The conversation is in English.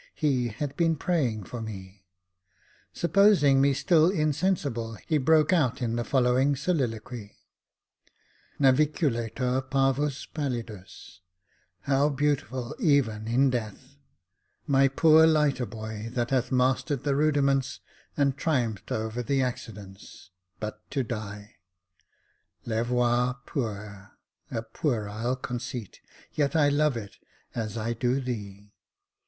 He had been praying for me. Supposing me still insensible, he broke out in the following soliloquy :—Naviculator parvus pallidus — how beautiful even in death ! My poor lighter boy, that hath mastered the rudi ments, and triumphed over the Accidence — but to die ! Levior puer, a puerile conceit, yet I love it, as I do thee.